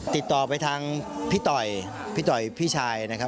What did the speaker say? ติดต่อไปทางพี่ต่อยพี่ต่อยพี่ชายนะครับ